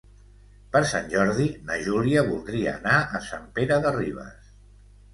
Per Sant Jordi na Júlia voldria anar a Sant Pere de Ribes.